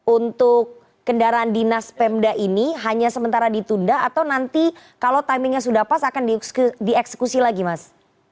untuk kendaraan dinas pemda ini hanya sementara ditunda atau nanti kalau timingnya sudah pas akan dieksekusi lagi mas